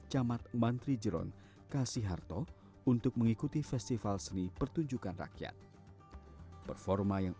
camat mantri jeron kasih harto untuk mengikuti festival seni pertunjukan rakyat performa yang